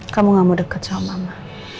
kamu gak mau deket sama mama